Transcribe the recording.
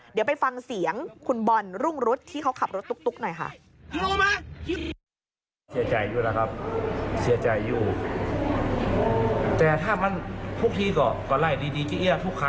เดี๋ยวไปฟังเสียงคุณบอลรุ่งรุษที่เขาขับรถตุ๊กหน่อยค่ะ